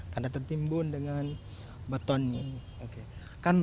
karena tertimbun dengan betonnya